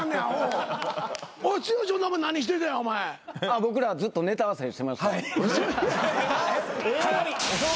僕らはずっとネタ合わせしてました。